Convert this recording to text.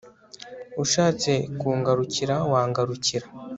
ushatse kungarukira wangarukira